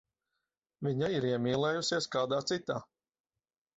Viņa ir iemīlējusies kādā citā.